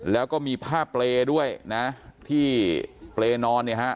แล้วก็มีผ้าเปรย์ด้วยนะที่เปรย์นอนเนี่ยฮะ